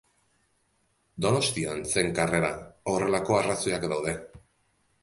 Donostian zen karrera, horrelako arrazoiak daude.